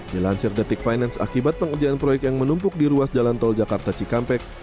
dilansir detik finance akibat pengerjaan proyek yang menumpuk di ruas jalan tol jakarta cikampek